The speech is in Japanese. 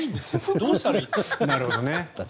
どうしたらいいですか。